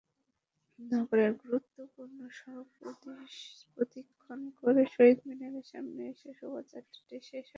নগরের গুরুত্বপূর্ণ সড়ক প্রদক্ষিণ করে শহীদ মিনারের সামনে এসে শোভাযাত্রাটি শেষ হয়।